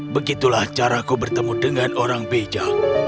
begitulah caraku bertemu dengan orang bijak